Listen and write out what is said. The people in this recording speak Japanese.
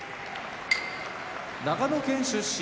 長野県出身